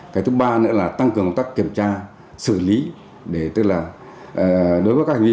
cái thứ ba nữa là tăng cường công tác kiểm tra xử lý tức là đối với các hành vi